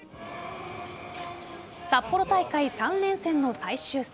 札幌大会３連戦の最終戦。